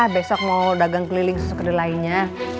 besok mau dagang keliling sesuai ke diri lainnya